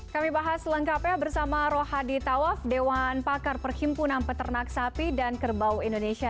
kami bahas lengkapnya bersama rohadi tawaf dewan pakar perhimpunan peternak sapi dan kerbau indonesia